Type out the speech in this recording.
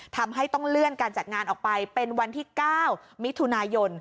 ทำให้ต้องเลื่อนการจัดงานออกไปเป็นวันที่๙มิถุนายน